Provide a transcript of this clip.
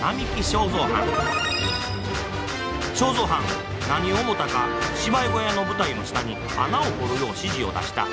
正三はん何を思たか芝居小屋の舞台の下に穴を掘るよう指示を出した。